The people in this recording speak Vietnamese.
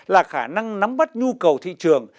là khả năng nắm bắt nhu cầu thị trường